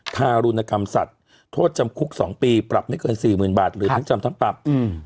ทารุณกรรมสัตว์โทษจำคุก๒ปีปรับไม่เกิน๔๐๐๐บาทหรือทั้งจำทั้งปรับ